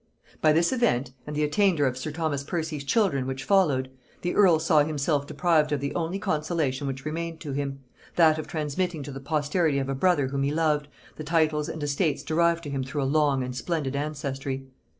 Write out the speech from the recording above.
By this event, and the attainder of sir Thomas Percy's children which followed, the earl saw himself deprived of the only consolation which remained to him, that of transmitting to the posterity of a brother whom he loved, the titles and estates derived to him through a long and splendid ancestry.